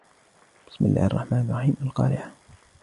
بسم الله الرحمن الرحيم القارعة